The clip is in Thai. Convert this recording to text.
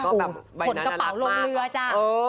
ขนกระเป๋าลงเรือจ้ะ